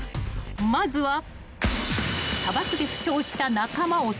［まずは］